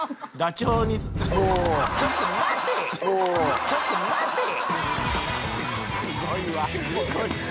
「ちょっと待てぃ‼」